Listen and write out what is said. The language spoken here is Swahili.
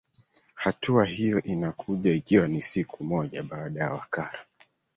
hatua hiyo inakuja ikiwa ni siku moja baada ya wakara